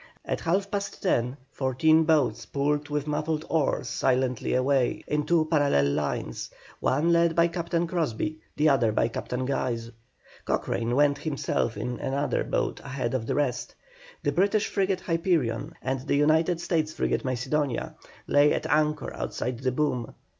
At half past ten the fourteen boats pulled with muffled oars silently away in two parallel lines, one led by Captain Crosbie, the other by Captain Guise. Cochrane went himself in another boat ahead of the rest. The British frigate Hyperion, and the United States frigate Macedonia, lay at anchor outside the boom.